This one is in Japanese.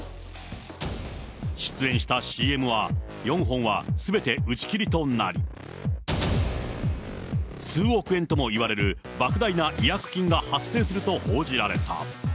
出演したＣＭは４本はすべて打ち切りとなり、数億円ともいわれるばく大な違約金が発生すると報じられた。